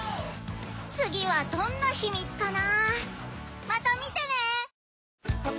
次はどんなヒ・ミ・ツかな？